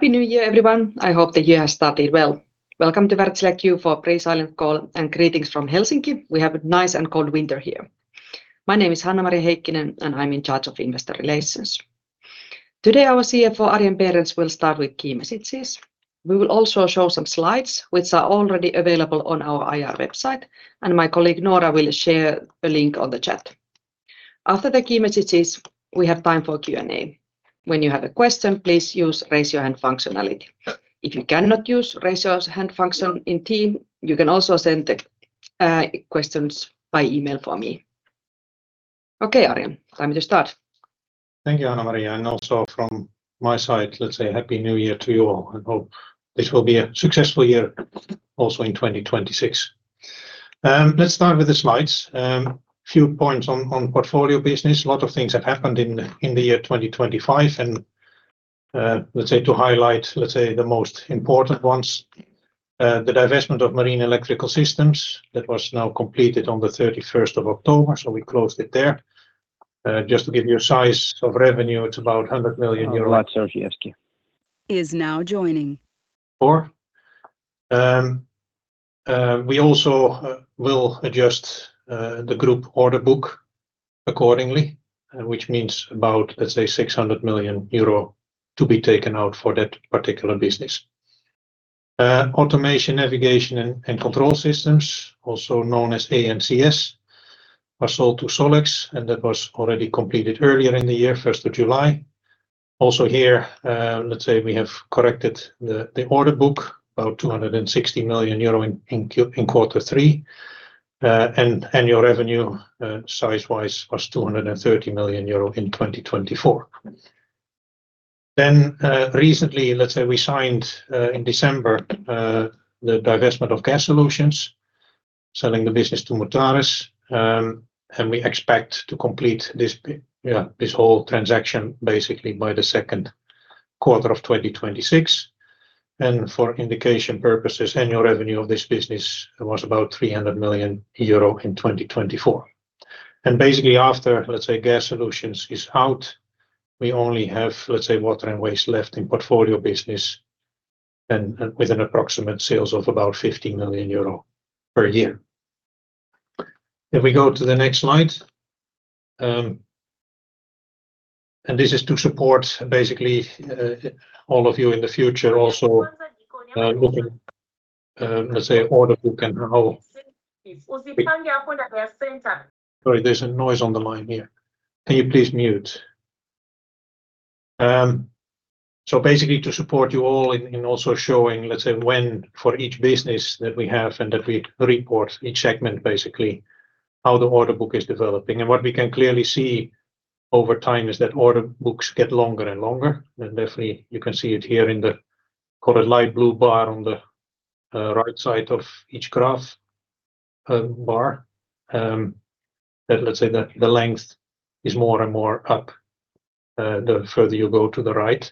Happy New Year, everyone. I hope that you have started well. Welcome to Wärtsilä's Q4 Pre-Silent Call and greetings from Helsinki. We have a nice and cold winter here. My name is Hanna-Maria Heikkinen, and I'm in charge of investor relations. Today, our CFO, Arjen Berends, will start with key messages. We will also show some slides, which are already available on our IR website, and my colleague Nora will share a link on the chat. After the key messages, we have time for Q&A. When you have a question, please use the raise your hand functionality. If you cannot use the raise your hand function in Teams, you can also send the questions by email for me. Okay, Arjen, time to start. Thank you, Hanna-Maria. And also from my side, let's say a happy New Year to you all. I hope this will be a successful year also in 2026. Let's start with the slides. A few points on portfolio business. A lot of things have happened in the year 2025, and let's say to highlight, let's say the most important ones. The divestment of marine electrical systems that was now completed on the 31st of October, so we closed it there. Just to give you a size of revenue, it's about 100 million euros. He is now joining Four. We also will adjust the group order book accordingly, which means about, let's say, 600 million euro to be taken out for that particular business. Automation, navigation, and control systems, also known as ANCS, were sold to Solix, and that was already completed earlier in the year, 1st of July. Also here, let's say we have corrected the order book, about 260 million euro in quarter three, and annual revenue size-wise was 230 million euro in 2024. Then recently, let's say we signed in December the divestment of gas solutions, selling the business to Mutares, and we expect to complete this whole transaction basically by the second quarter of 2026. And for indication purposes, annual revenue of this business was about 300 million euro in 2024. Basically after, let's say, gas solutions is out, we only have, let's say, water and waste left in portfolio business and with an approximate sales of about 15 million euro per year. If we go to the next slide, and this is to support basically all of you in the future, also looking, let's say, order book and how. Sorry, there's a noise on the line here. Can you please mute? So basically to support you all in also showing, let's say, when for each business that we have and that we report each segment, basically how the order book is developing. And what we can clearly see over time is that order books get longer and longer, and definitely you can see it here in the colored light blue bar on the right side of each graph bar, that let's say the length is more and more up the further you go to the right.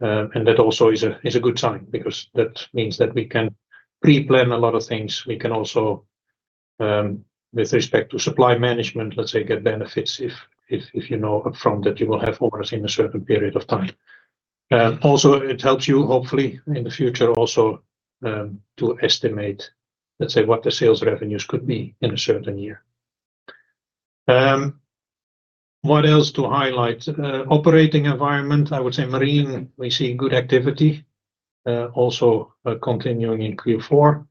And that also is a good sign because that means that we can pre-plan a lot of things. We can also, with respect to supply management, let's say, get benefits if you know upfront that you will have orders in a certain period of time. Also, it helps you hopefully in the future also to estimate, let's say, what the sales revenues could be in a certain year. What else to highlight? Operating environment, I would say. Marine, we see good activity, also continuing in Q4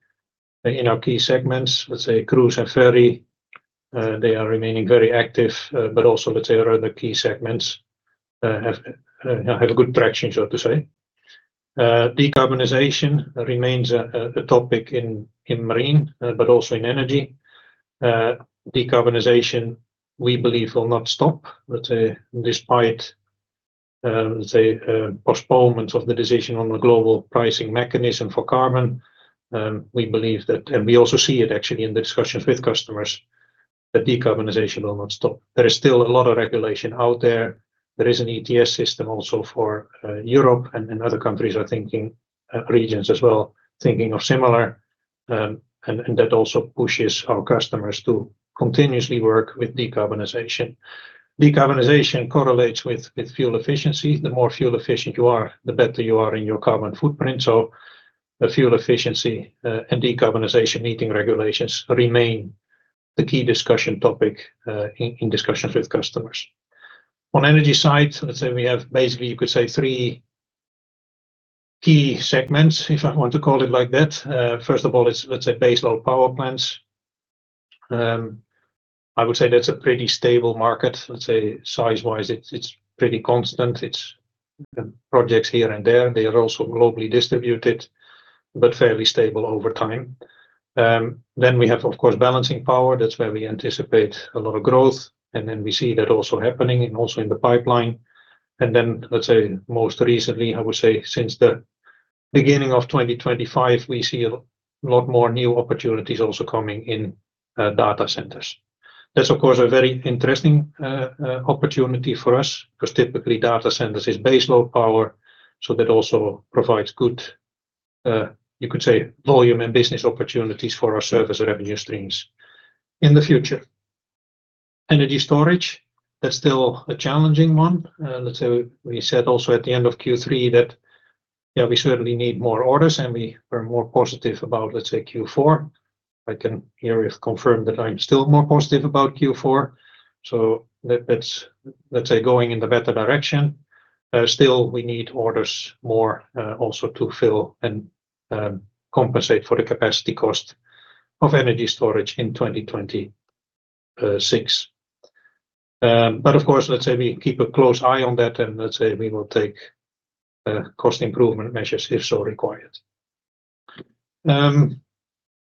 in our key segments, let's say cruise and ferry. They are remaining very active, but also let's say other key segments have good traction, so to say. Decarbonization remains a topic in marine, but also in energy. Decarbonization, we believe, will not stop, let's say, despite postponement of the decision on the global pricing mechanism for carbon. We believe that, and we also see it actually in the discussions with customers, that decarbonization will not stop. There is still a lot of regulation out there. There is an ETS system also for Europe, and other countries are thinking, regions as well, thinking of similar, and that also pushes our customers to continuously work with decarbonization. Decarbonization correlates with fuel efficiency. The more fuel efficient you are, the better you are in your carbon footprint. So fuel efficiency and decarbonization meeting regulations remain the key discussion topic in discussions with customers. On energy side, let's say we have basically, you could say, three key segments, if I want to call it like that. First of all, it's let's say baseload power plants. I would say that's a pretty stable market. Let's say size-wise, it's pretty constant. It's projects here and there. They are also globally distributed, but fairly stable over time. Then we have, of course, balancing power. That's where we anticipate a lot of growth, and then we see that also happening and also in the pipeline, and then, let's say, most recently, I would say since the beginning of 2025, we see a lot more new opportunities also coming in data centers. That's, of course, a very interesting opportunity for us because typically data centers is baseload power, so that also provides good, you could say, volume and business opportunities for our service revenue streams in the future. Energy storage, that's still a challenging one. Let's say we said also at the end of Q3 that, yeah, we certainly need more orders, and we were more positive about, let's say, Q4. I can hear you confirm that I'm still more positive about Q4, so that's, let's say, going in the better direction. Still, we need orders more also to fill and compensate for the capacity cost of energy storage in 2026. But of course, let's say we keep a close eye on that, and let's say we will take cost improvement measures if so required.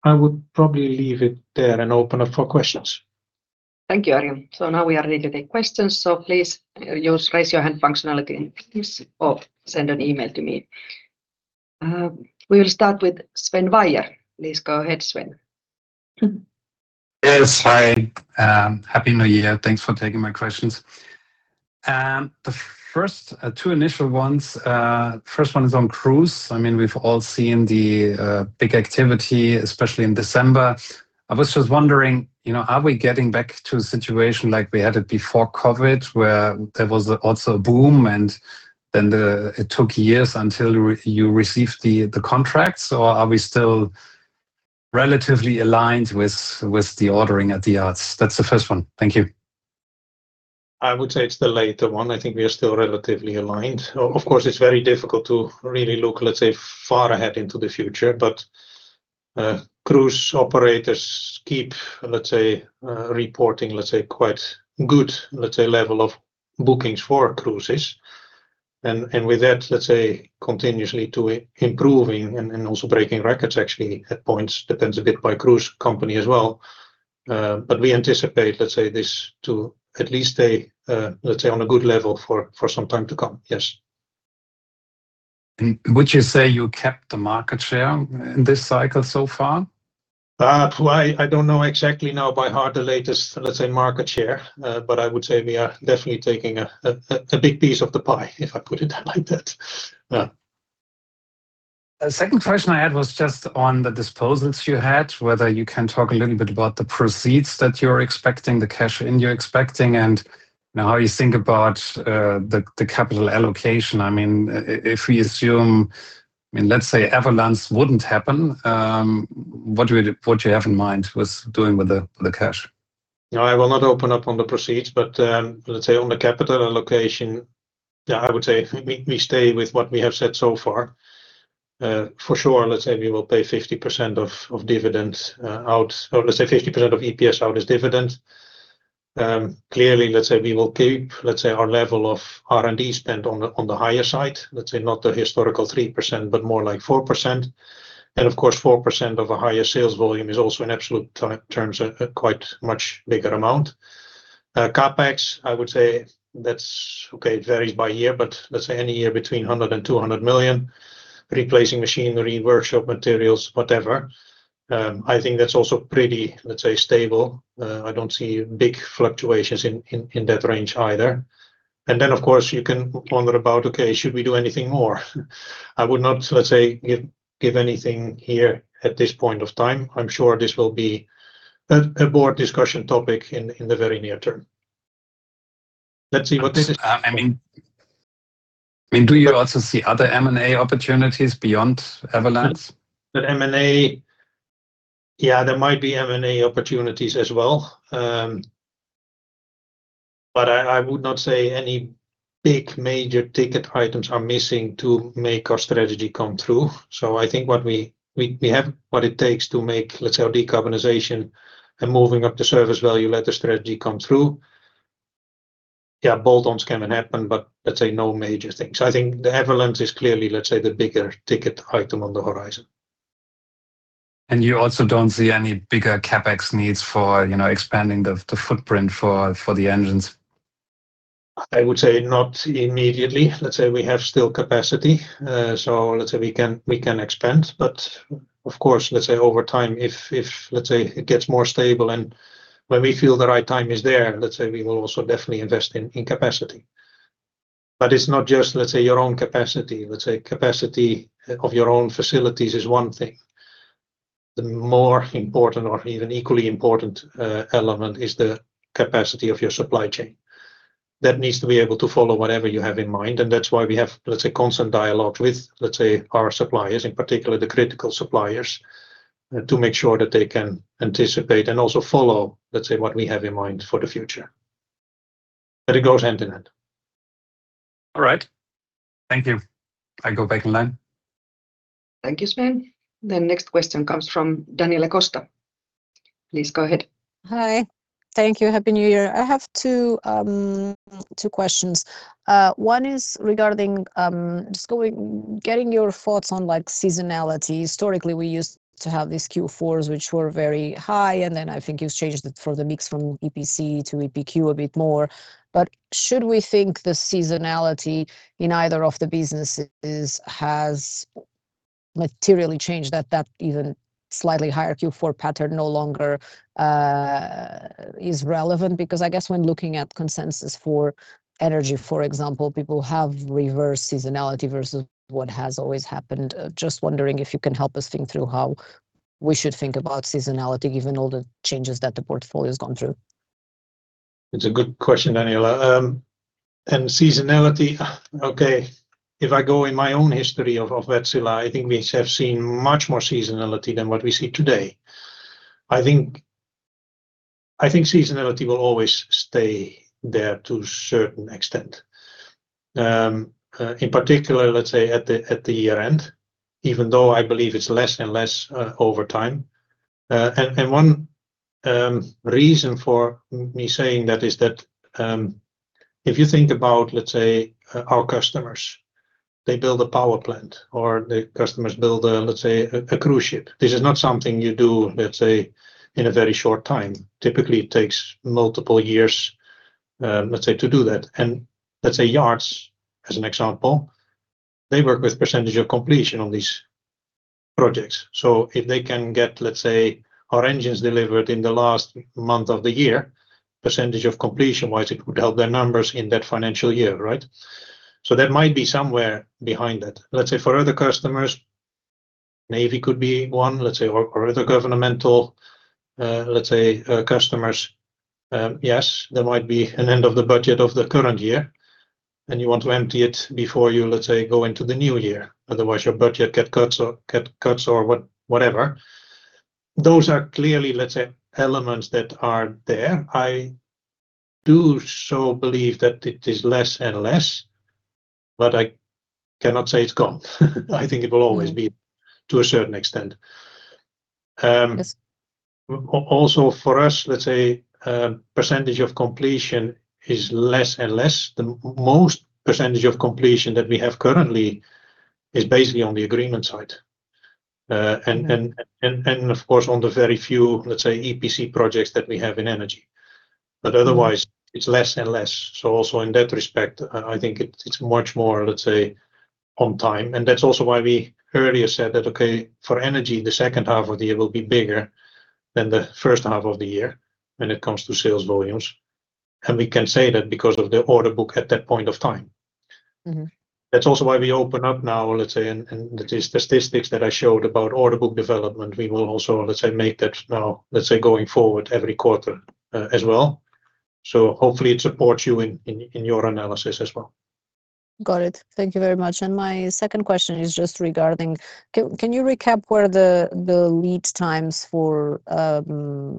I would probably leave it there and open up for questions. Thank you, Arjen. So now we are ready to take questions, so please use raise your hand functionality and send an email to me. We will start with Sven Weier. Please go ahead, Sven. Yes, hi. Happy New Year. Thanks for taking my questions. The first two initial ones, the first one is on cruise. I mean, we've all seen the big activity, especially in December. I was just wondering, are we getting back to a situation like we had it before COVID, where there was also a boom and then it took years until you received the contracts, or are we still relatively aligned with the ordering at the yards? That's the first one. Thank you. I would say it's the latter one. I think we are still relatively aligned. Of course, it's very difficult to really look far ahead into the future, but cruise operators keep reporting quite good level of bookings for cruises. And with that, continuously improving and also breaking records actually at points, it depends a bit by cruise company as well. But we anticipate this to at least stay on a good level for some time to come. Yes. Would you say you kept the market share in this cycle so far? I don't know exactly now by heart the latest, let's say, market share, but I would say we are definitely taking a big piece of the pie, if I put it like that. The second question I had was just on the disposals you had, whether you can talk a little bit about the proceeds that you're expecting, the cash in you're expecting, and how you think about the capital allocation. I mean, if we assume, I mean, let's say Avalanche wouldn't happen, what do you have in mind with doing with the cash? No, I will not open up on the proceeds, but let's say on the capital allocation, yeah, I would say we stay with what we have said so far. For sure, let's say we will pay 50% of dividends out, or let's say 50% of EPS out as dividends. Clearly, let's say we will keep, let's say, our level of R&D spend on the higher side, let's say not the historical 3%, but more like 4%. And of course, 4% of a higher sales volume is also in absolute terms a quite much bigger amount. CapEx, I would say that's okay, it varies by year, but let's say any year between 100 and 200 million EUR, replacing machinery, workshop materials, whatever. I think that's also pretty, let's say, stable. I don't see big fluctuations in that range either. And then, of course, you can wonder about, okay, should we do anything more? I would not, let's say, give anything here at this point of time. I'm sure this will be a broad discussion topic in the very near term. Let's see what this is. I mean, do you also see other M&A opportunities beyond Avalanche? Yeah, there might be M&A opportunities as well. But I would not say any big major ticket items are missing to make our strategy come through. So I think what we have, what it takes to make, let's say, our decarbonization and moving up the service value, let the strategy come through. Yeah, bolt-ons can happen, but let's say no major things. I think the Avalanche is clearly, let's say, the bigger ticket item on the horizon. You also don't see any bigger CapEx needs for expanding the footprint for the engines? I would say not immediately. Let's say we have still capacity, so let's say we can expand. But of course, let's say over time, if let's say it gets more stable and when we feel the right time is there, let's say we will also definitely invest in capacity. But it's not just, let's say, your own capacity. Let's say capacity of your own facilities is one thing. The more important or even equally important element is the capacity of your supply chain. That needs to be able to follow whatever you have in mind. And that's why we have, let's say, constant dialogue with, let's say, our suppliers, in particular the critical suppliers, to make sure that they can anticipate and also follow, let's say, what we have in mind for the future. But it goes hand in hand. All right. Thank you. I go back in line. Thank you, Sven. The next question comes from Daniela Costa. Please go ahead. Hi. Thank you. Happy New Year. I have two questions. One is regarding just getting your thoughts on seasonality. Historically, we used to have these Q4s, which were very high, and then I think you've changed it for the mix from EPC to EEQ a bit more. But should we think the seasonality in either of the businesses has materially changed that even slightly higher Q4 pattern no longer is relevant? Because I guess when looking at consensus for energy, for example, people have reversed seasonality versus what has always happened. Just wondering if you can help us think through how we should think about seasonality, given all the changes that the portfolio has gone through. It's a good question, Daniela. And seasonality, okay, if I go in my own history of Wärtsilä, I think we have seen much more seasonality than what we see today. I think seasonality will always stay there to a certain extent. In particular, let's say at the year end, even though I believe it's less and less over time. And one reason for me saying that is that if you think about, let's say, our customers, they build a power plant or the customers build, let's say, a cruise ship. This is not something you do, let's say, in a very short time. Typically, it takes multiple years, let's say, to do that. And let's say yards, as an example, they work with percentage of completion on these projects. So if they can get, let's say, our engines delivered in the last month of the year, percentage of completion-wise, it would help their numbers in that financial year, right? So that might be somewhere behind that. Let's say for other customers, Navy could be one, let's say, or other governmental, let's say, customers, yes, there might be an end of the budget of the current year, and you want to empty it before you, let's say, go into the new year. Otherwise, your budget gets cut or whatever. Those are clearly, let's say, elements that are there. I do so believe that it is less and less, but I cannot say it's gone. I think it will always be to a certain extent. Also, for us, let's say, percentage of completion is less and less. The most percentage of completion that we have currently is basically on the agreement side. And of course, on the very few, let's say, EPC projects that we have in energy. But otherwise, it's less and less. So also in that respect, I think it's much more, let's say, on time. And that's also why we earlier said that, okay, for energy, the second half of the year will be bigger than the first half of the year when it comes to sales volumes. And we can say that because of the order book at that point of time. That's also why we open up now, let's say, and these statistics that I showed about order book development, we will also, let's say, make that now, let's say, going forward every quarter as well. So hopefully, it supports you in your analysis as well. Got it. Thank you very much. And my second question is just regarding, can you recap where the lead times for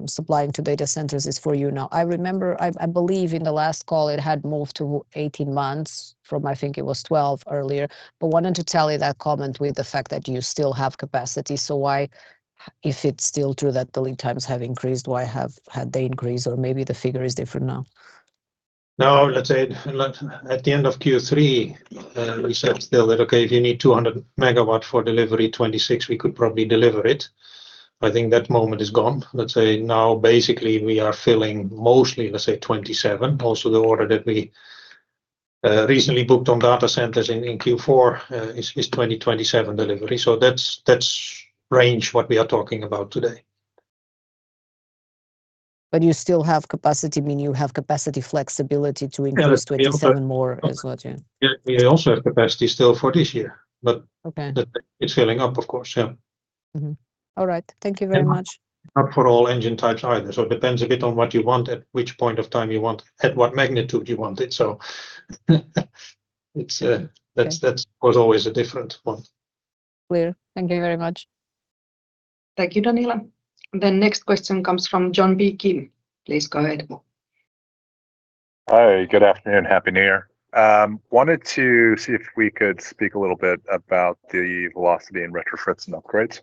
supplying to data centers is for you now? I remember, I believe in the last call, it had moved to 18 months from, I think it was 12 earlier. But wanted to tally that comment with the fact that you still have capacity. So if it's still true that the lead times have increased, why have they increased or maybe the figure is different now? No, let's say at the end of Q3, we said still that, okay, if you need 200 megawatts for delivery 2026, we could probably deliver it. I think that moment is gone. Let's say now, basically, we are filling mostly, let's say, 2027. Also, the order that we recently booked on data centers in Q4 is 2027 delivery. So that's the range what we are talking about today. But you still have capacity, meaning you have capacity flexibility to increase 27 more as well. Yeah. We also have capacity still for this year, but it's filling up, of course. Yeah. All right. Thank you very much. Not for all engine types either. So it depends a bit on what you want, at which point of time you want, at what magnitude you want it. So that's always a different one. Clear. Thank you very much. Thank you, Daniela. The next question comes from John Beekin. Please go ahead. Hi. Good afternoon. Happy New Year. Wanted to see if we could speak a little bit about the velocity and retrofits and upgrades.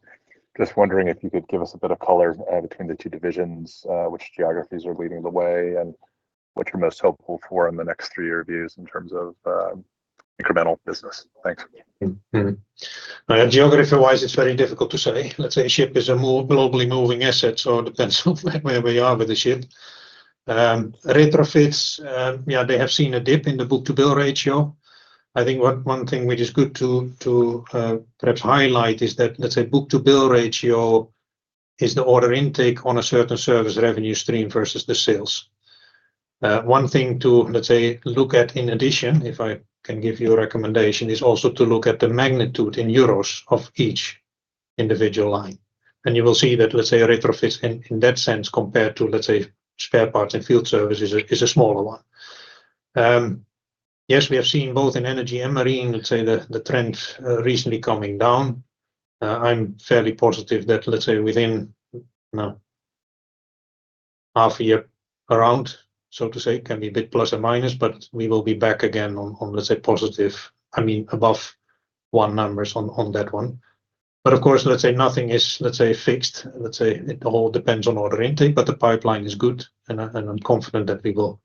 Just wondering if you could give us a bit of color between the two divisions, which geographies are leading the way, and what you're most hopeful for in the next three year views in terms of incremental business? Thanks. Geography-wise, it's very difficult to say. Let's say a ship is a globally moving asset, so it depends on where we are with the ship. Retrofits, yeah, they have seen a dip in the book-to-bill ratio. I think one thing which is good to perhaps highlight is that, let's say, book-to-bill ratio is the order intake on a certain service revenue stream versus the sales. One thing to, let's say, look at in addition, if I can give you a recommendation, is also to look at the magnitude in euros of each individual line. And you will see that, let's say, retrofits in that sense compared to, let's say, spare parts and field services is a smaller one. Yes, we have seen both in energy and marine, let's say, the trend recently coming down. I'm fairly positive that, let's say, within half a year around, so to say, can be a bit plus or minus, but we will be back again on, let's say, positive, I mean, above one numbers on that one. But of course, let's say nothing is, let's say, fixed. Let's say it all depends on order intake, but the pipeline is good, and I'm confident that we will,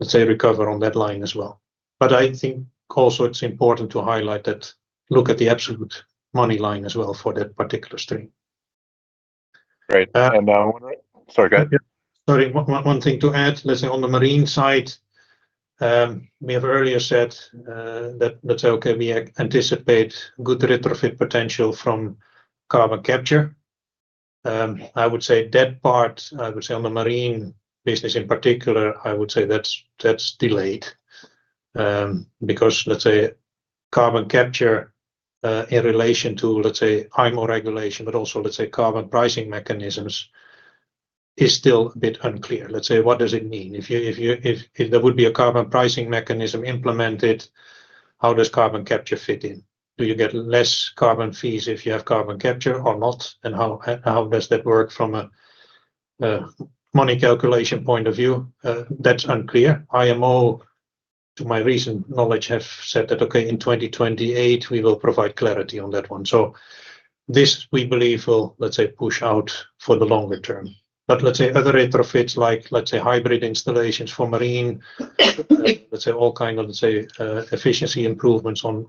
let's say, recover on that line as well. But I think also it's important to highlight that, look at the absolute money line as well for that particular stream. Great. And sorry, go ahead. Sorry, one thing to add. Let's say, on the marine side, we have earlier said that, let's say, okay, we anticipate good retrofit potential from carbon capture. I would say that part. I would say on the marine business in particular, I would say that's delayed because, let's say, carbon capture in relation to, let's say, IMO regulation, but also, let's say, carbon pricing mechanisms is still a bit unclear. Let's say, what does it mean? If there would be a carbon pricing mechanism implemented, how does carbon capture fit in? Do you get less carbon fees if you have carbon capture or not? And how does that work from a money calculation point of view? That's unclear. IMO, to my recent knowledge, have said that, okay, in 2028, we will provide clarity on that one. So this we believe will, let's say, push out for the longer term. Let's say other retrofits like, let's say, hybrid installations for marine, let's say, all kinds of, let's say, efficiency improvements on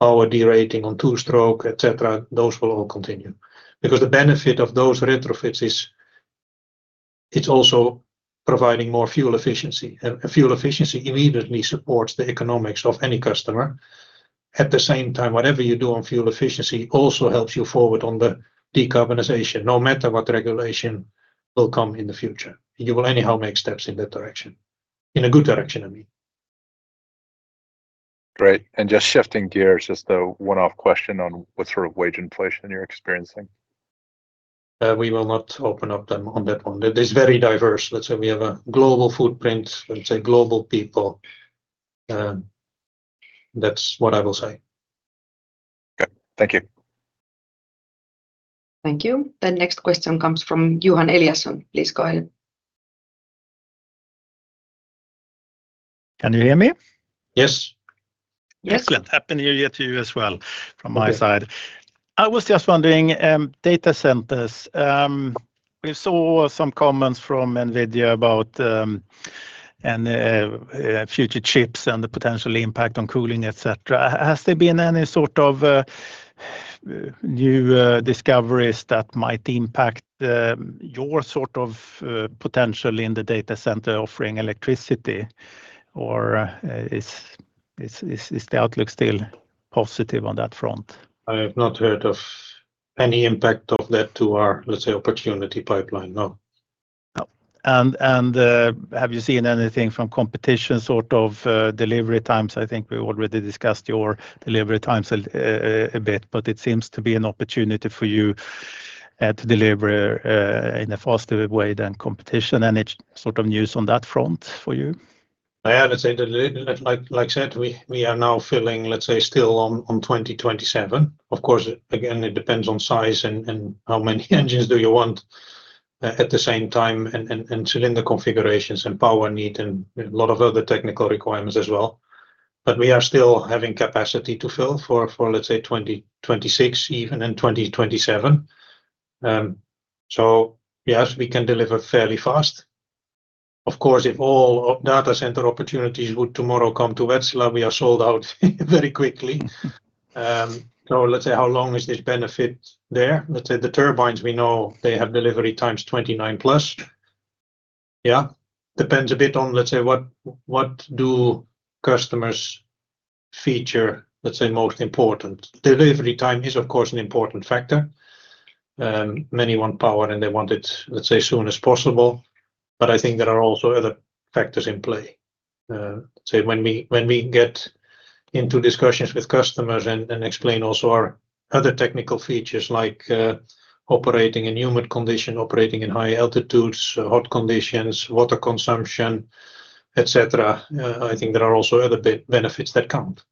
power derating on two-stroke, etc., those will all continue. Because the benefit of those retrofits is it's also providing more fuel efficiency. And fuel efficiency immediately supports the economics of any customer. At the same time, whatever you do on fuel efficiency also helps you forward on the decarbonization, no matter what regulation will come in the future. You will anyhow make steps in that direction. In a good direction, I mean. Great. And just shifting gears, just a one-off question on what sort of wage inflation you're experiencing? We will not open up to them on that one. It is very diverse. Let's say we have a global footprint, let's say, global people. That's what I will say. Okay. Thank you. Thank you. The next question comes from Johan Eliasson. Please go ahead. Can you hear me? Yes. Excellent. Happy New Year to you as well from my side. I was just wondering, data centers, we saw some comments from Nvidia about future chips and the potential impact on cooling, etc. Has there been any sort of new discoveries that might impact your sort of potential in the data center offering electricity, or is the outlook still positive on that front? I have not heard of any impact of that to our, let's say, opportunity pipeline. No. Have you seen anything from competition sort of delivery times? I think we already discussed your delivery times a bit, but it seems to be an opportunity for you to deliver in a faster way than competition. Any sort of news on that front for you? I have to say, like I said, we are now filling, let's say, still on 2027. Of course, again, it depends on size and how many engines do you want at the same time and cylinder configurations and power need and a lot of other technical requirements as well. But we are still having capacity to fill for, let's say, 2026 even and 2027. Yes, we can deliver fairly fast. Of course, if all data center opportunities would tomorrow come to Wärtsilä, we are sold out very quickly. How long is this benefit there? Let's say the turbines, we know they have delivery times 29+. Yeah. It depends a bit on, let's say, what do customers feature, let's say, most important. Delivery time is, of course, an important factor. Many want power, and they want it, let's say, as soon as possible. But I think there are also other factors in play. When we get into discussions with customers and explain also our other technical features like operating in humid condition, operating in high altitudes, hot conditions, water consumption, etc., I think there are also other benefits that count.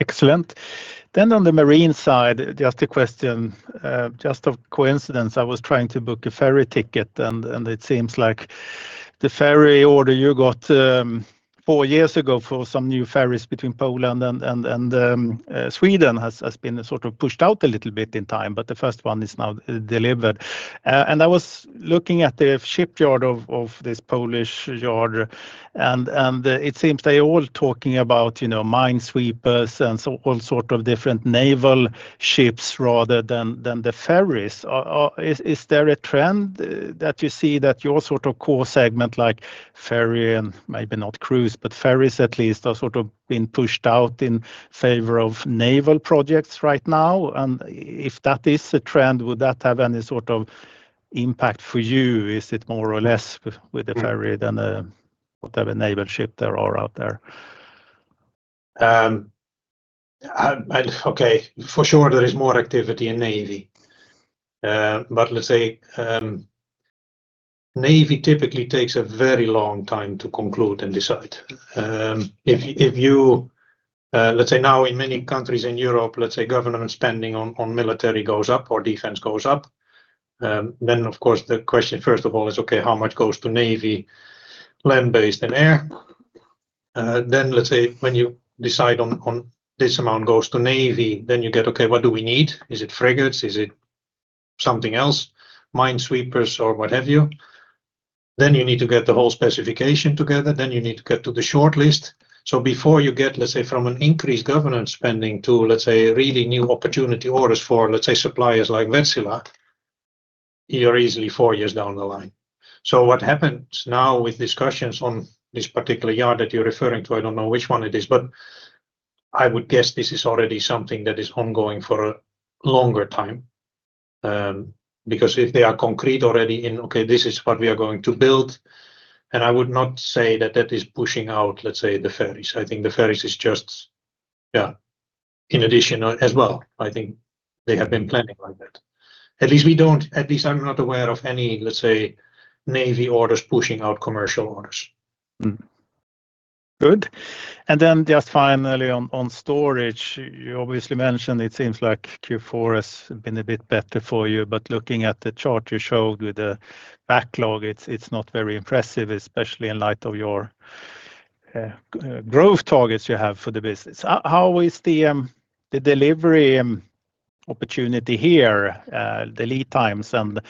Excellent. Then on the marine side, just a question, just by coincidence, I was trying to book a ferry ticket, and it seems like the ferry order you got four years ago for some new ferries between Poland and Sweden has been sort of pushed out a little bit in time, but the first one is now delivered, and I was looking at the shipyard of this Polish yard, and it seems they're all talking about minesweepers and all sorts of different naval ships rather than the ferries. Is there a trend that you see that your sort of core segment, like ferry and maybe not cruise, but ferries at least, are sort of being pushed out in favor of naval projects right now? And if that is a trend, would that have any sort of impact for you? Is it more or less with the ferry than whatever naval ship there are out there? Okay. For sure, there is more activity in navy. But let's say navy typically takes a very long time to conclude and decide. If you, let's say, now in many countries in Europe, let's say government spending on military goes up or defense goes up, then of course the question first of all is, okay, how much goes to navy, land-based and air? Then let's say when you decide on this amount goes to navy, then you get, okay, what do we need? Is it frigates? Is it something else, mine sweepers or what have you? Then you need to get the whole specification together. Then you need to get to the shortlist. So before you get, let's say, from an increased government spending to, let's say, really new opportunity orders for, let's say, suppliers like Wärtsilä, you're easily four years down the line. So what happens now with discussions on this particular yard that you're referring to? I don't know which one it is, but I would guess this is already something that is ongoing for a longer time. Because if they are concrete already in, okay, this is what we are going to build, and I would not say that that is pushing out, let's say, the ferries. I think the ferries is just, yeah, in addition as well. I think they have been planning like that. At least we don't, at least I'm not aware of any, let's say, navy orders pushing out commercial orders. Good. And then just finally on storage, you obviously mentioned it seems like Q4 has been a bit better for you, but looking at the chart you showed with the backlog, it's not very impressive, especially in light of your growth targets you have for the business. How is the delivery opportunity here, the lead times, and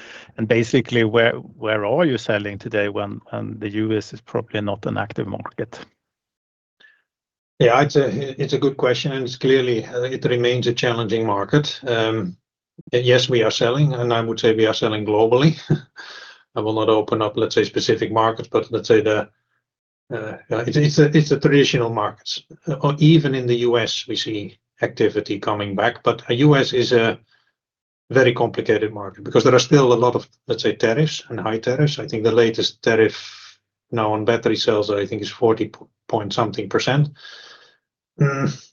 basically where are you selling today when the U.S. is probably not an active market? Yeah, it's a good question, and it's clearly, it remains a challenging market. Yes, we are selling, and I would say we are selling globally. I will not open up, let's say, specific markets, but let's say the, it's a traditional market. Even in the U.S., we see activity coming back, but the U.S. is a very complicated market because there are still a lot of, let's say, tariffs and high tariffs. I think the latest tariff now on battery sales, I think, is 40-something%.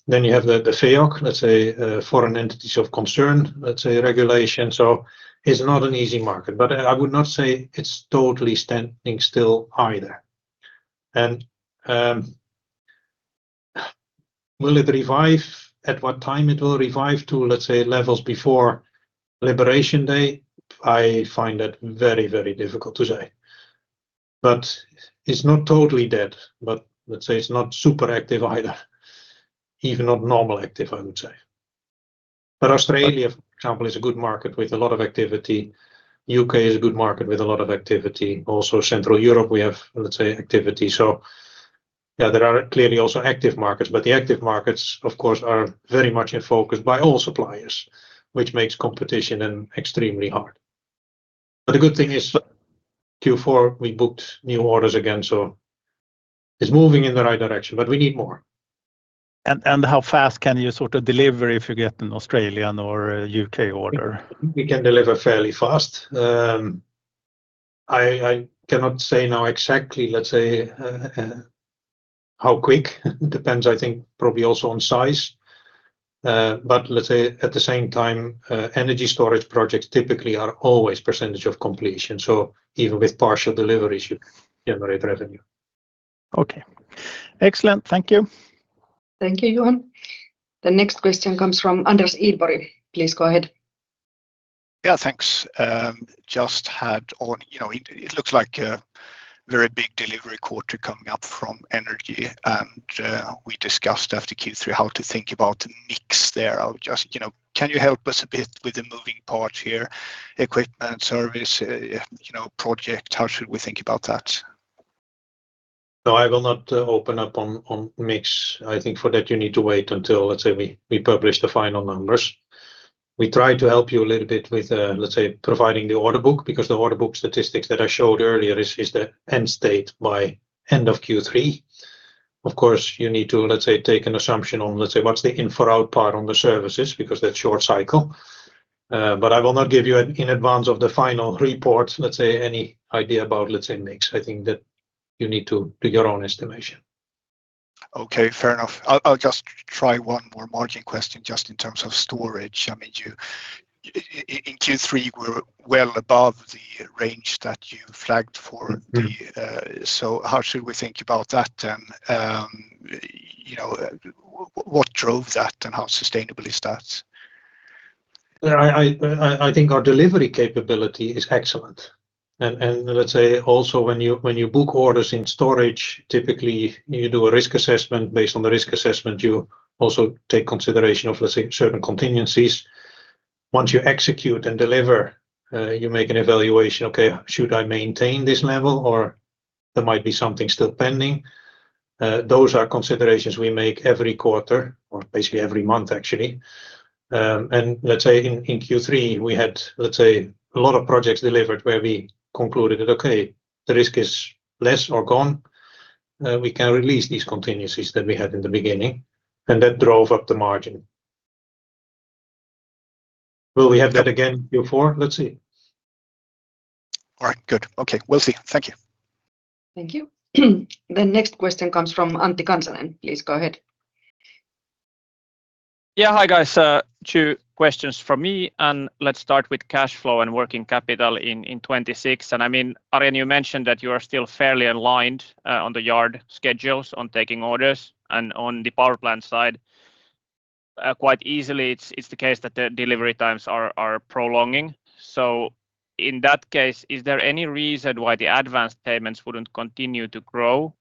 Then you have the FEOC, let's say, foreign entities of concern, let's say, regulation. So it's not an easy market, but I would not say it's totally standing still either. And will it revive? At what time it will revive to, let's say, levels before Liberation Day? I find that very, very difficult to say. But it's not totally dead, but let's say it's not super active either. Even not normal active, I would say. But Australia, for example, is a good market with a lot of activity. UK is a good market with a lot of activity. Also Central Europe, we have, let's say, activity. So yeah, there are clearly also active markets, but the active markets, of course, are very much in focus by all suppliers, which makes competition extremely hard. But the good thing is Q4 we booked new orders again, so it's moving in the right direction, but we need more. How fast can you sort of deliver if you get an Australian or UK order? We can deliver fairly fast. I cannot say now exactly, let's say, how quick. It depends, I think, probably also on size. But let's say at the same time, energy storage projects typically are always percentage of completion. So even with partial deliveries, you generate revenue. Okay. Excellent. Thank you. Thank you, Johan. The next question comes from Anders Idborg. Please go ahead. Yeah, thanks. Just had on, it looks like a very big delivery quarter coming up from energy, and we discussed after Q3 how to think about the mix there. Just can you help us a bit with the moving part here, equipment, service, project? How should we think about that? So I will not open up on mix. I think for that you need to wait until, let's say, we publish the final numbers. We try to help you a little bit with, let's say, providing the order book because the order book statistics that I showed earlier is the end state by end of Q3. Of course, you need to, let's say, take an assumption on, let's say, what's the in for out part on the services because that's your cycle. But I will not give you in advance of the final report, let's say, any idea about, let's say, mix. I think that you need to do your own estimation. Okay, fair enough. I'll just try one more margin question just in terms of storage. I mean, in Q3 we're well above the range that you flagged for the, so how should we think about that then? What drove that and how sustainable is that? I think our delivery capability is excellent. And let's say also when you book orders in storage, typically you do a risk assessment. Based on the risk assessment, you also take consideration of, let's say, certain contingencies. Once you execute and deliver, you make an evaluation, okay, should I maintain this level or there might be something still pending? Those are considerations we make every quarter or basically every month, actually. And let's say in Q3 we had, let's say, a lot of projects delivered where we concluded that, okay, the risk is less or gone. We can release these contingencies that we had in the beginning, and that drove up the margin. Will we have that again in Q4? Let's see. All right, good. Okay, we'll see. Thank you. Thank you. The next question comes from Antti Kansanen. Please go ahead. Yeah, hi guys. Two questions from me, and let's start with cash flow and working capital in 2026. And I mean, Arjen, you mentioned that you are still fairly in line on the yard schedules on taking orders and on the power plant side. Quite easily, it's the case that the delivery times are prolonging. So in that case, is there any reason why the advance payments wouldn't continue to grow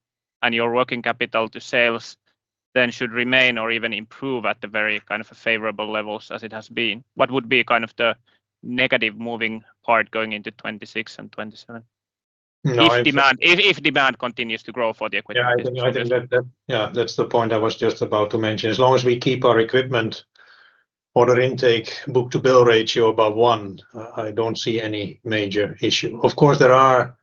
and your working capital to sales then should remain or even improve at the very kind of favorable levels as it has been? What would be kind of the negative moving part going into 2026 and 2027? If demand continues to grow for the equipment. Yeah, that's the point I was just about to mention. As long as we keep our equipment order intake book-to-bill ratio above one, I don't see any major issue. Of course, there are,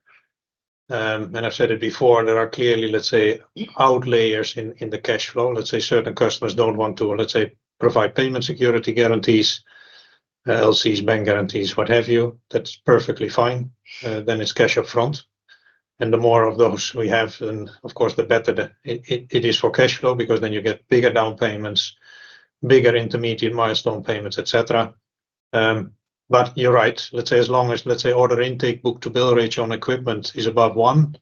and I've said it before, there are clearly, let's say, outliers in the cash flow. Let's say certain customers don't want to, let's say, provide payment security guarantees, LCs, bank guarantees, what have you. That's perfectly fine. Then it's cash upfront. And the more of those we have, then of course the better it is for cash flow because then you get bigger down payments, bigger intermediate milestone payments, etc. But you're right. Let's say as long as, let's say, order intake book-to-bill ratio on equipment is above one,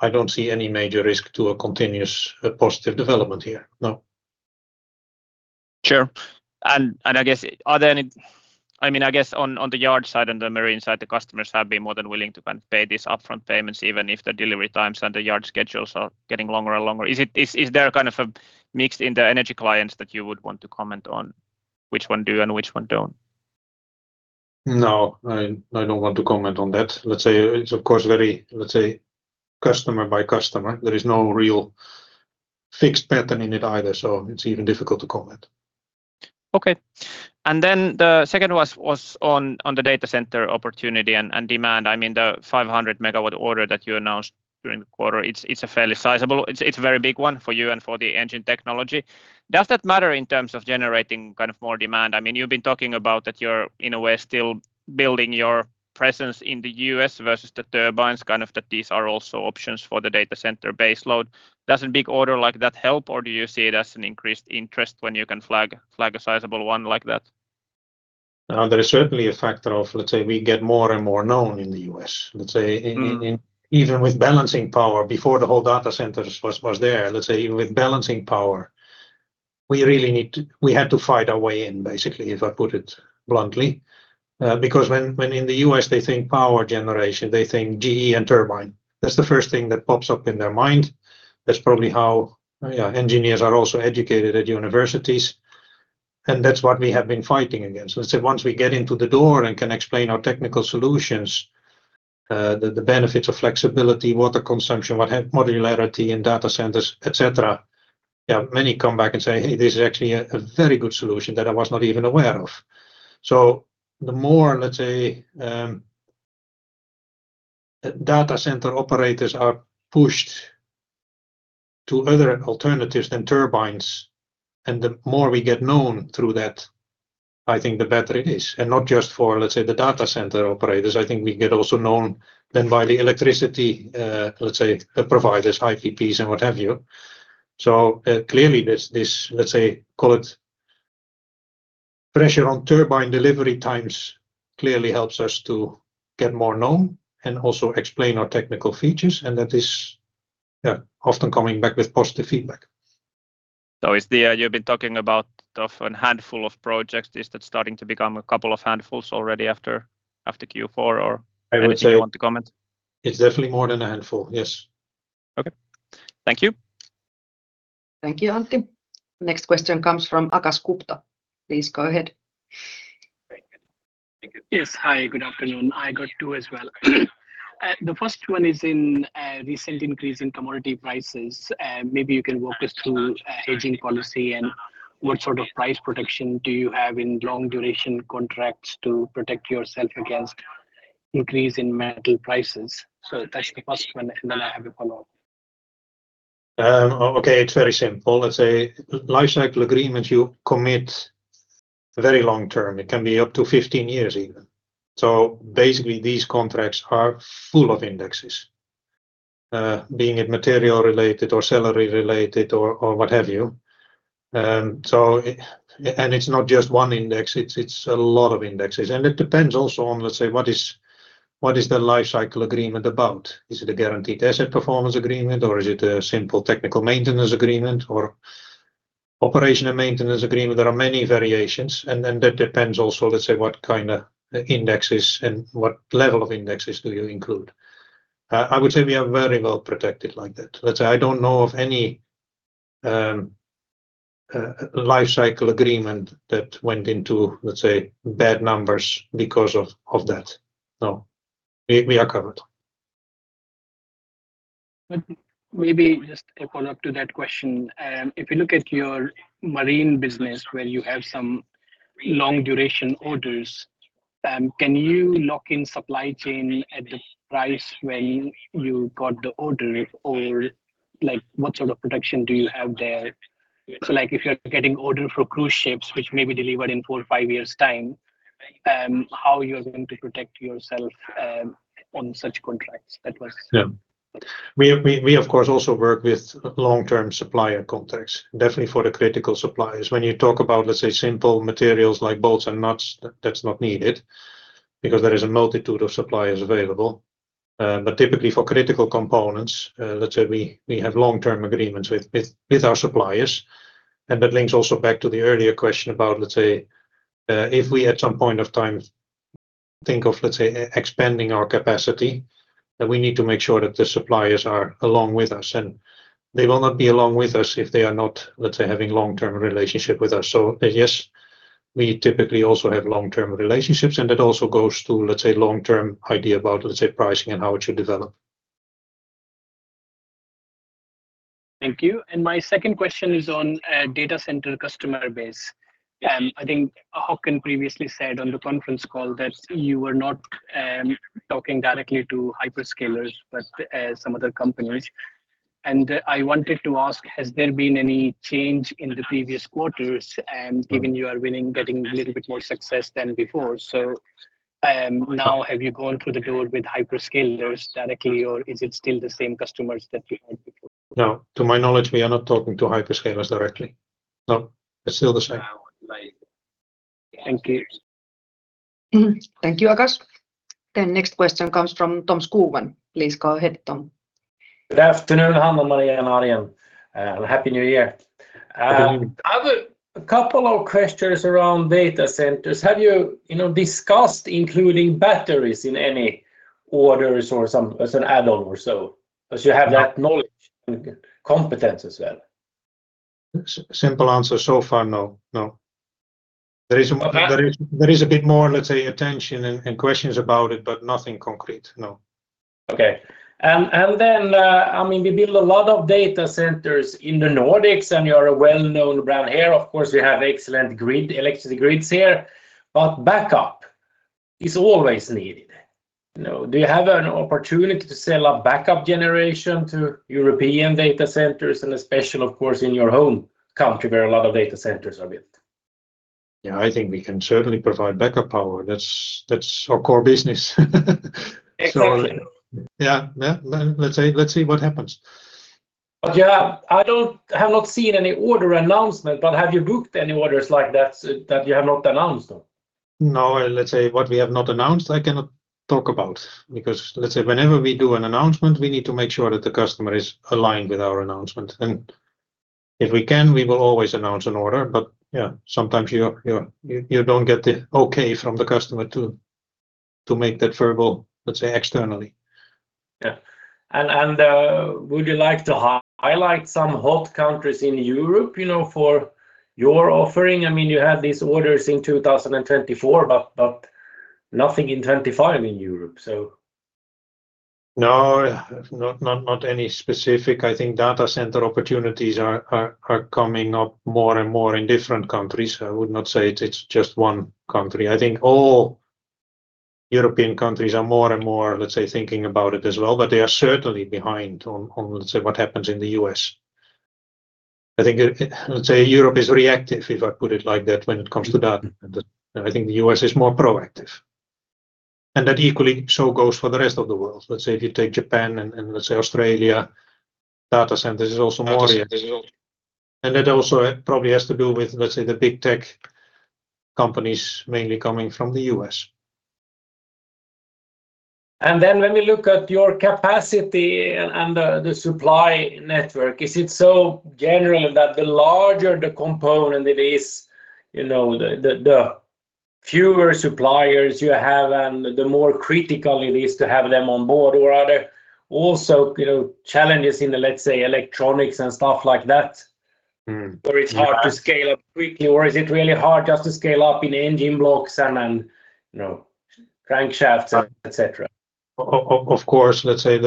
I don't see any major risk to a continuous positive development here. No. Sure. And I guess, are there any, I mean, I guess on the yard side and the marine side, the customers have been more than willing to kind of pay these upfront payments even if the delivery times and the yard schedules are getting longer and longer. Is there kind of a mix in the energy clients that you would want to comment on which one do and which one don't? No, I don't want to comment on that. Let's say it's of course very, let's say, customer by customer. There is no real fixed pattern in it either, so it's even difficult to comment. Okay. And then the second was on the data center opportunity and demand. I mean, the 500-megawatt order that you announced during the quarter. It's a fairly sizable. It's a very big one for you and for the engine technology. Does that matter in terms of generating kind of more demand? I mean, you've been talking about that you're in a way still building your presence in the U.S. versus the turbines, kind of that these are also options for the data center baseload. Does a big order like that help, or do you see it as an increased interest when you can flag a sizable one like that? There is certainly a factor of, let's say, we get more and more known in the U.S. Let's say even with balancing power before the whole data centers was there, let's say even with balancing power, we really need to, we had to fight our way in basically, if I put it bluntly. Because when in the U.S. they think power generation, they think GE and turbine. That's the first thing that pops up in their mind. That's probably how engineers are also educated at universities. And that's what we have been fighting against. Let's say once we get into the door and can explain our technical solutions, the benefits of flexibility, water consumption, what have you, modularity in data centers, etc. Yeah, many come back and say, hey, this is actually a very good solution that I was not even aware of. So the more, let's say, data center operators are pushed to other alternatives than turbines, and the more we get known through that, I think the better it is. And not just for, let's say, the data center operators. I think we get also known then by the electricity, let's say, providers, IPPs and what have you. So clearly this, let's say, call it pressure on turbine delivery times clearly helps us to get more known and also explain our technical features. And that is, yeah, often coming back with positive feedback. So you've been talking about a handful of projects. Is that starting to become a couple of handfuls already after Q4, or do you want to comment? I would say it's definitely more than a handful, yes. Okay. Thank you. Thank you, Antti. Next question comes from Akash Gupta. Please go ahead. Yes, hi, good afternoon. I got two as well. The first one is in recent increase in commodity prices. Maybe you can walk us through hedging policy and what sort of price protection do you have in long duration contracts to protect yourself against increase in metal prices. So that's the first one, and then I have a follow-up. Okay, it's very simple. Let's say lifecycle agreements you commit very long term. It can be up to 15 years even, so basically these contracts are full of indexes, be it material related or salary related or what have you, and it's not just one index, it's a lot of indexes, and it depends also on, let's say, what is the life cycle agreement about? Is it a guaranteed asset performance agreement, or is it a simple technical maintenance agreement, or operational maintenance agreement? There are many variations, and then that depends also, let's say, what kind of indexes and what level of indexes do you include. I would say we are very well protected like that. Let's say I don't know of any life cycle agreement that went into, let's say, bad numbers because of that. No, we are covered. Maybe just a follow-up to that question. If you look at your marine business where you have some long duration orders, can you lock in supply chain at the price when you got the order, or what sort of protection do you have there? So if you're getting orders for cruise ships, which may be delivered in four, five years' time, how are you going to protect yourself on such contracts? Yeah. We, of course, also work with long-term supplier contracts, definitely for the critical suppliers. When you talk about, let's say, simple materials like bolts and nuts, that's not needed because there is a multitude of suppliers available. But typically for critical components, let's say we have long-term agreements with our suppliers. And that links also back to the earlier question about, let's say, if we at some point of time think of, let's say, expanding our capacity, then we need to make sure that the suppliers are along with us. And they will not be along with us if they are not, let's say, having long-term relationship with us. So yes, we typically also have long-term relationships, and that also goes to, let's say, long-term idea about, let's say, pricing and how it should develop. Thank you. And my second question is on data center customer base. I think Håkan previously said on the conference call that you were not talking directly to hyperscalers, but some other companies. And I wanted to ask, has there been any change in the previous quarters given you are getting a little bit more success than before? So now have you gone through the door with hyperscalers directly, or is it still the same customers that you had before? No, to my knowledge, we are not talking to hyperscalers directly. No, it's still the same. Thank you. Thank you, Akash. Then next question comes from Tom Skogvang. Please go ahead, Tom. Good afternoon, Hanna-Maria and Arjen. Happy New Year. I have a couple of questions around data centers. Have you discussed including batteries in any orders or as an add-on or so? Because you have that knowledge and competence as well. Simple answer so far, no. No. There is a bit more, let's say, attention and questions about it, but nothing concrete. No. Okay. And then, I mean, we build a lot of data centers in the Nordics, and you are a well-known brand here. Of course, we have excellent grid, electric grids here. But backup is always needed. Do you have an opportunity to sell a backup generation to European data centers and especially, of course, in your home country where a lot of data centers are built? Yeah, I think we can certainly provide backup power. That's our core business. Excellent. Yeah, let's see what happens. But yeah, I have not seen any order announcement, but have you booked any orders like that that you have not announced? No, let's say what we have not announced, I cannot talk about because, let's say, whenever we do an announcement, we need to make sure that the customer is aligned with our announcement. And if we can, we will always announce an order. But yeah, sometimes you don't get the okay from the customer to make that verbal, let's say, externally. Yeah, and would you like to highlight some hot countries in Europe for your offering? I mean, you have these orders in 2024, but nothing in 2025 in Europe, so. No, not any specific. I think data center opportunities are coming up more and more in different countries. I would not say it's just one country. I think all European countries are more and more, let's say, thinking about it as well, but they are certainly behind on, let's say, what happens in the U.S. I think, let's say, Europe is reactive, if I put it like that, when it comes to data. I think the U.S. is more proactive. And that equally so goes for the rest of the world. Let's say if you take Japan and, let's say, Australia, data centers is also more reactive. And that also probably has to do with, let's say, the big tech companies mainly coming from the U.S. When we look at your capacity and the supply network, is it so general that the larger the component it is, the fewer suppliers you have, and the more critical it is to have them on board? Or are there also challenges in the, let's say, electronics and stuff like that, where it's hard to scale up quickly? Or is it really hard just to scale up in engine blocks and crankshafts, etc.? Of course, let's say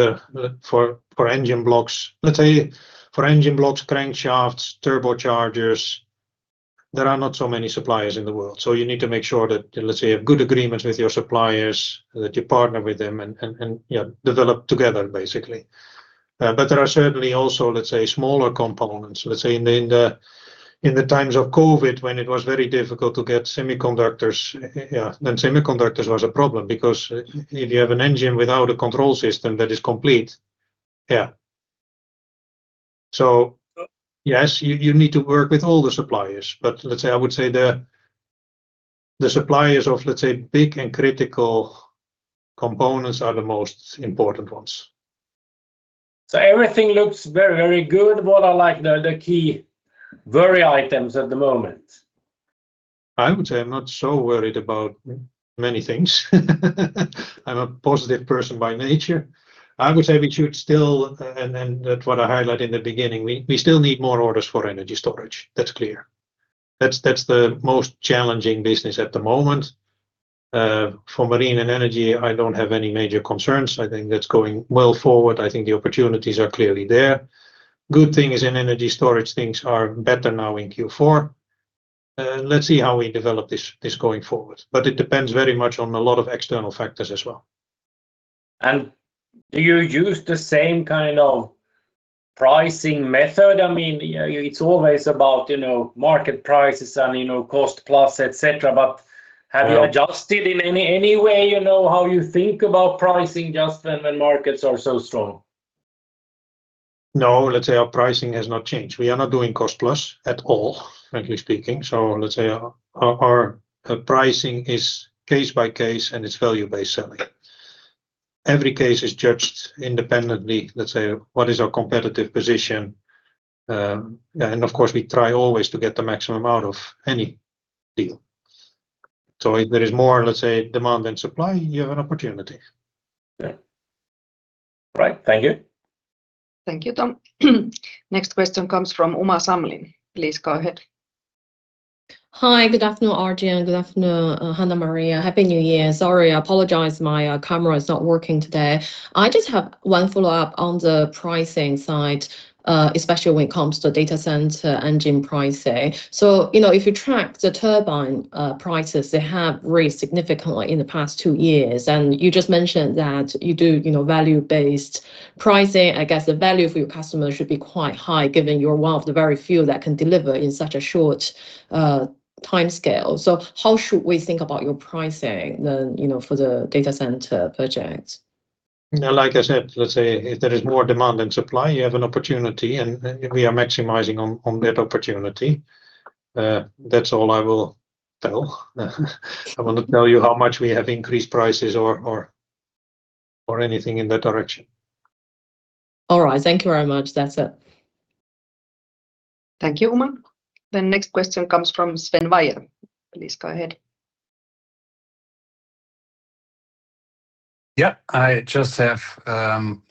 for engine blocks, let's say for engine blocks, crankshafts, turbochargers, there are not so many suppliers in the world. So you need to make sure that, let's say, you have good agreements with your suppliers, that you partner with them, and develop together, basically. But there are certainly also, let's say, smaller components. Let's say in the times of COVID, when it was very difficult to get semiconductors, yeah, then semiconductors was a problem because if you have an engine without a control system that is complete, yeah. So yes, you need to work with all the suppliers. But let's say I would say the suppliers of, let's say, big and critical components are the most important ones. So everything looks very, very good. What are the key worry items at the moment? I would say I'm not so worried about many things. I'm a positive person by nature. I would say we should still, and that's what I highlighted in the beginning, we still need more orders for energy storage. That's clear. That's the most challenging business at the moment. For marine and energy, I don't have any major concerns. I think that's going well forward. I think the opportunities are clearly there. Good thing is in energy storage, things are better now in Q4. Let's see how we develop this going forward. But it depends very much on a lot of external factors as well. And do you use the same kind of pricing method? I mean, it's always about market prices and cost plus, etc. But have you adjusted in any way how you think about pricing just when markets are so strong? No, let's say our pricing has not changed. We are not doing cost plus at all, frankly speaking. So let's say our pricing is case by case, and it's value-based selling. Every case is judged independently, let's say, what is our competitive position. And of course, we try always to get the maximum out of any deal. So if there is more, let's say, demand than supply, you have an opportunity. Yeah. All right. Thank you. Thank you, Tom. Next question comes from Uma Samlin. Please go ahead. Hi, good afternoon, Arjen. Good afternoon, Hanna-Maria. Happy New Year. Sorry, I apologize. My camera is not working today. I just have one follow-up on the pricing side, especially when it comes to data center engine pricing. So if you track the turbine prices, they have raised significantly in the past two years. And you just mentioned that you do value-based pricing. I guess the value for your customers should be quite high, given you're one of the very few that can deliver in such a short timescale. So how should we think about your pricing then for the data center project? Like I said, let's say if there is more demand than supply, you have an opportunity, and we are maximizing on that opportunity. That's all I will tell. I will not tell you how much we have increased prices or anything in that direction. All right. Thank you very much. That's it. Thank you, Uma. Then next question comes from Sven Weier. Please go ahead. Yeah. I just have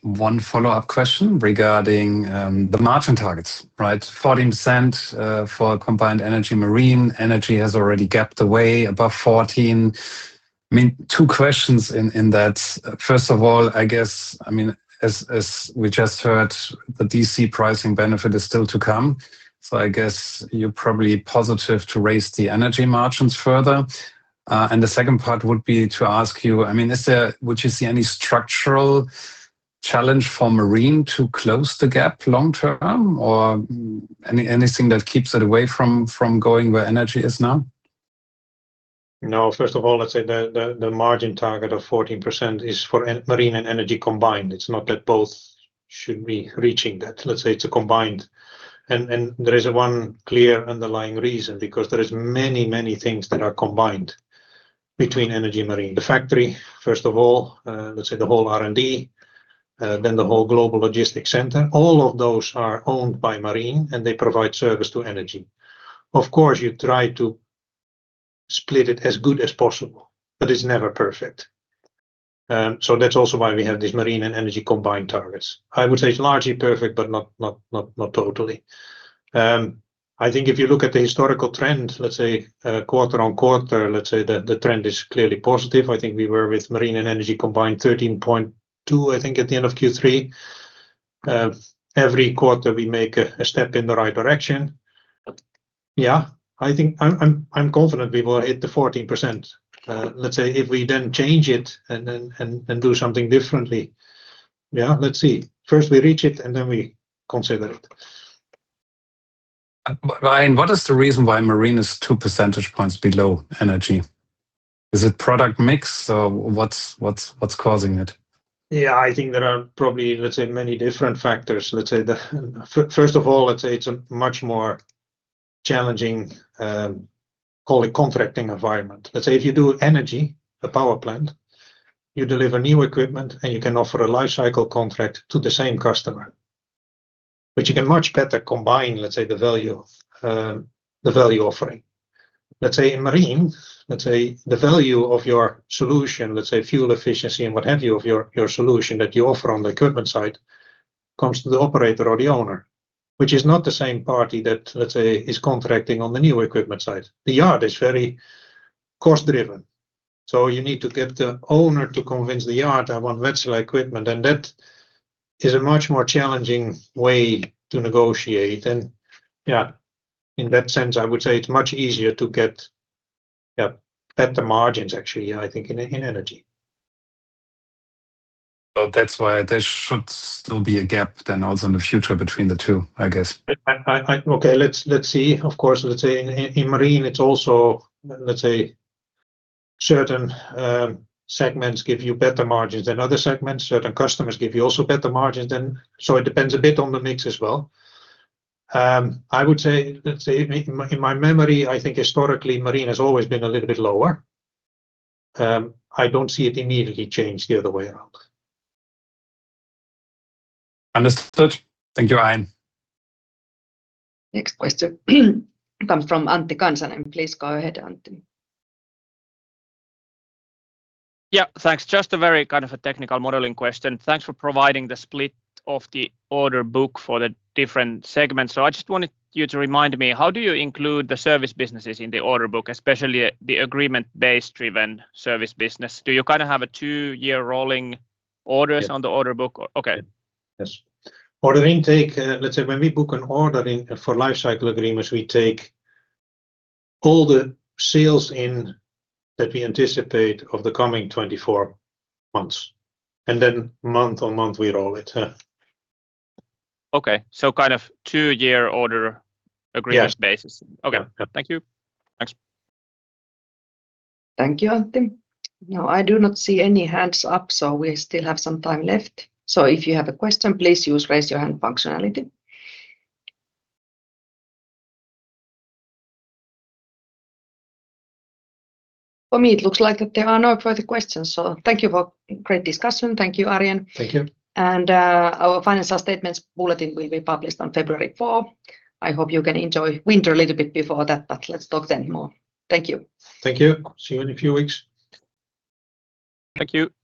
one follow-up question regarding the margin targets, right? 14% for combined energy marine. Energy has already gapped away above 14%. I mean, two questions in that. First of all, I guess, I mean, as we just heard, the DC pricing benefit is still to come. So I guess you're probably positive to raise the energy margins further. And the second part would be to ask you, I mean, would you see any structural challenge for marine to close the gap long term or anything that keeps it away from going where energy is now? No. First of all, let's say the margin target of 14% is for marine and energy combined. It's not that both should be reaching that. Let's say it's a combined. And there is one clear underlying reason because there are many, many things that are combined between energy and marine. The factory, first of all, let's say the whole R&D, then the whole global logistics center, all of those are owned by marine, and they provide service to energy. Of course, you try to split it as good as possible, but it's never perfect. So that's also why we have these marine and energy combined targets. I would say it's largely perfect, but not totally. I think if you look at the historical trend, let's say quarter on quarter, let's say the trend is clearly positive. I think we were with marine and energy combined 13.2, I think, at the end of Q3. Every quarter, we make a step in the right direction. Yeah, I think I'm confident we will hit the 14%. Let's say if we then change it and do something differently, yeah, let's see. First, we reach it, and then we consider it. Arjen, what is the reason why marine is two percentage points below energy? Is it product mix, or what's causing it? Yeah, I think there are probably, let's say, many different factors. Let's say, first of all, let's say it's a much more challenging, call it contracting environment. Let's say if you do energy, a power plant, you deliver new equipment, and you can offer a life cycle contract to the same customer, which you can much better combine, let's say, the value offering. Let's say in marine, let's say the value of your solution, let's say fuel efficiency and what have you of your solution that you offer on the equipment side comes to the operator or the owner, which is not the same party that, let's say, is contracting on the new equipment side. The yard is very cost-driven. So you need to get the owner to convince the yard I want that sort of equipment. And that is a much more challenging way to negotiate. Yeah, in that sense, I would say it's much easier to get better margins, actually, I think, in energy. So that's why there should still be a gap then also in the future between the two, I guess. Okay, let's see. Of course, let's say in marine, it's also, let's say, certain segments give you better margins than other segments. Certain customers give you also better margins. And so it depends a bit on the mix as well. I would say, let's say, in my memory, I think historically marine has always been a little bit lower. I don't see it immediately changed the other way around. Understood. Thank you, Arjen. Next question comes from Antti Kansanen. Please go ahead, Antti. Yeah, thanks. Just a very kind of a technical modeling question. Thanks for providing the split of the order book for the different segments. So I just wanted you to remind me, how do you include the service businesses in the order book, especially the agreement-based driven service business? Do you kind of have a two-year rolling orders on the order book? Okay. Yes. Order intake, let's say when we book an order for life cycle agreements, we take all the sales in that we anticipate of the coming 24 months. And then month on month, we roll it. Okay. So kind of two-year order agreement basis. Okay. Thank you. Thanks. Thank you, Antti. Now, I do not see any hands up, so we still have some time left. So if you have a question, please use raise your hand functionality. For me, it looks like that there are no further questions. So thank you for great discussion. Thank you, Arjen. Thank you. Our financial statements bulletin will be published on February 4. I hope you can enjoy winter a little bit before that, but let's talk then more. Thank you. Thank you. See you in a few weeks. Thank you. Thank you.